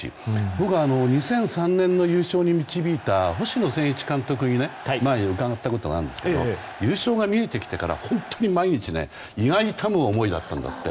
僕は、２００３年の優勝に導いた星野仙一監督にね前、伺ったことがあるんですが優勝が見えてきてから本当に毎日胃が痛む思いだったんだと。